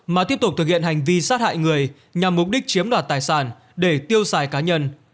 mà tiếp tục thực hiện hành vi sát hại người nhằm mục đích chiếm đoạt tài sản để tiêu xài cá nhân